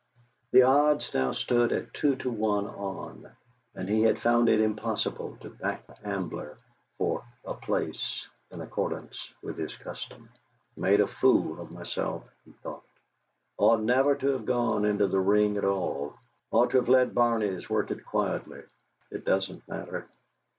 The odds now stood at two to one on, and he had found it impossible to back the Ambler for "a place," in accordance with his custom. '.ade a fool of myself,' he thought; 'ought never to have gone into the ring at all; ought to have let Barney's work it quietly. It doesn't matter!'